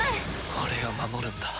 俺が守るんだ。